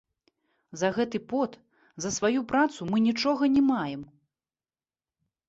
За гэты пот, за сваю працу мы нічога не маем.